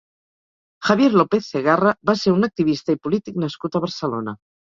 Javier López Cegarra va ser un activista i polític nascut a Barcelona.